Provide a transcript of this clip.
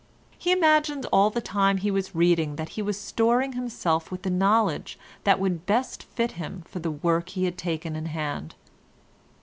He imagined all the time he was reading that he was storing himself with the knowledge that would best fit him for the work he had taken in hand.